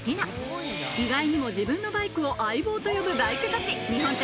意外にも自分のバイクを相棒と呼ぶバイク